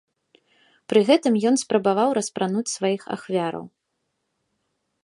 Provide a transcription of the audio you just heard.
Пры гэтым ён спрабаваў распрануць сваіх ахвяраў.